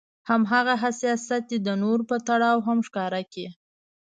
هماغه حساسيت دې د نورو په تړاو هم ښکاره کړي.